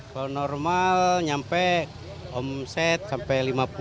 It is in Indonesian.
kalau normal nyampe omset sampai lima puluh